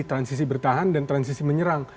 transisi bertahan dan transisi menyerang